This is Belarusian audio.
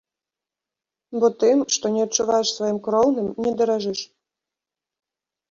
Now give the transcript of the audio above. Бо тым, што не адчуваеш сваім кроўным, не даражыш.